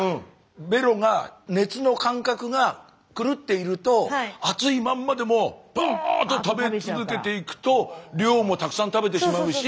ベロが熱の感覚が狂っていると熱いまんまでもドーッと食べ続けていくと量もたくさん食べてしまうし。